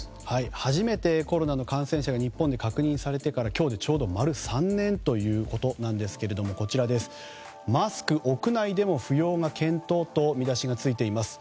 初めてコロナの感染者が日本で確認されてから今日でちょうど丸３年ということですがマスク、屋内でも不要が検討と見出しがついています。